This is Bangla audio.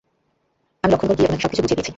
আমি লক্ষ্মণগড় গিয়ে উনাকে সবকিছু বুঝিয়ে দিয়েছি।